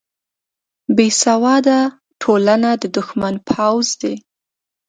بیسواده ټولنه د دښمن پوځ دی